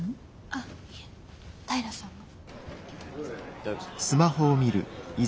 あいえ平さんが。